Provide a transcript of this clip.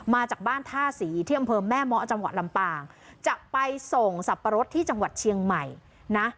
มาจากบ้านท่าศรีที่อำเภอแม่เมาะจังหวัดลำปางจะไปส่งสับปะรดที่จังหวัดเชียงใหม่นะ